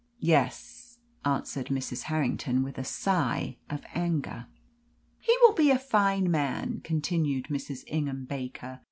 "Yes," answered Mrs. Harrington, with a sigh of anger. "He will be a fine man," continued Mrs. Ingham Baker.